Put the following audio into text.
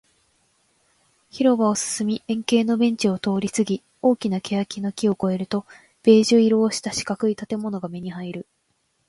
広場を進み、円形のベンチを通りすぎ、大きな欅の木を越えると、ベージュ色をした四角い建物が目に入る